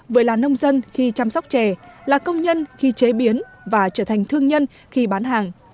vừa là nông dân khi chăm sóc chè là công nhân khi chế biến và trở thành thương nhân khi bán hàng